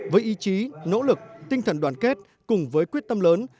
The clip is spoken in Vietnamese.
với ý chí nỗ lực tinh thần đoàn kết cùng với quyết tâm lớn